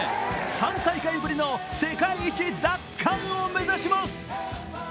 ３大会ぶりの世界一奪還を目指します。